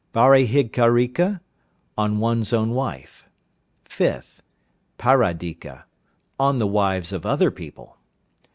Bharyadhikarika (on one's own wife). 5th. Paradika (on the wives of other people).